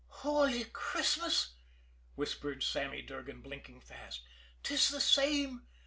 "Holy Christmas!" whispered Sammy Durgan, blinking fast. "'Tis the same!